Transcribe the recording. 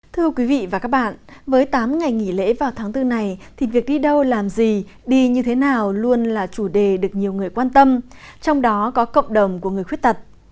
thưa quý vị và các bạn với tám ngày nghỉ lễ vào tháng bốn này thì việc đi đâu làm gì đi như thế nào luôn là chủ đề được nhiều người quan tâm trong đó có cộng đồng của người khuyết tật